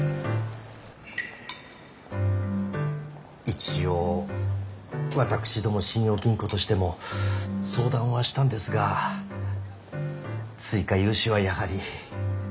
一応私ども信用金庫としても相談はしたんですが追加融資はやはり。